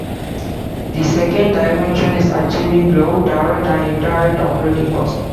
The second dimension is achieving low direct and indirect operating costs.